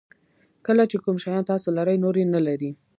کله چې کوم شیان تاسو لرئ نور یې نه لري.